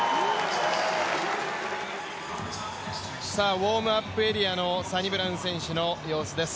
ウォームアップエリアのサニブラウン選手の姿です。